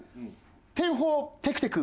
天和テクテク！